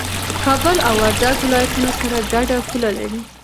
کابل او وردګ ولايتونه سره ګډه پوله لري